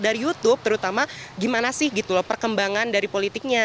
dari youtube terutama gimana sih gitu loh perkembangan dari politiknya